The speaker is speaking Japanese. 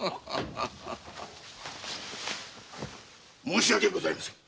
申し訳ございませぬ。